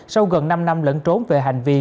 sau gần năm năm lẫn trốn về hành vi